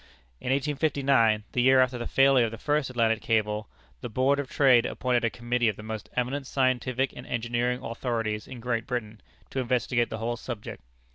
In 1859, the year after the failure of the first Atlantic cable, the Board of Trade appointed a committee of the most eminent scientific and engineering authorities in Great Britain to investigate the whole subject.